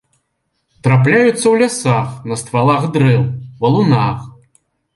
Трапляюцца ў лясах на ствалах дрэў, валунах.